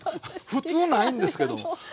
普通ないんですけども。